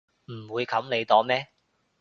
唔會冚你檔咩